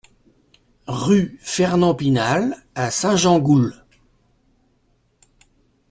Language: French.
Rue Fernand Pinal à Saint-Gengoulph